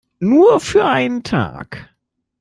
Nur für einen Tag.